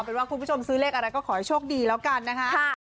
เป็นว่าคุณผู้ชมซื้อเลขอะไรก็ขอให้โชคดีแล้วกันนะคะ